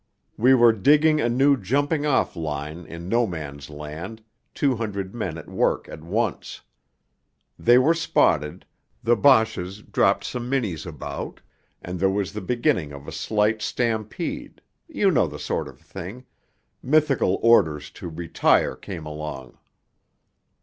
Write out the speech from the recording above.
We were digging a new 'jumping off' line in No Man's Land, two hundred men at work at once. They were spotted, the Boches dropped some Minnies about, and there was the beginnings of a slight stampede you know the sort of thing mythical orders to 'Retire' came along.